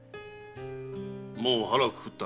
もう肚はくくった。